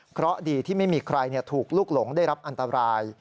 เพราะดีที่ไม่มีใครถูกลูกหลงได้รับอันตราย